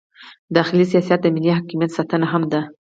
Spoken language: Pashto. داخلي سیاست د ملي حاکمیت ساتنه هم ده.